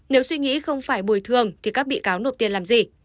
nếu suy nghĩ không phải bồi thường thì các bị cáo nộp tiền làm gì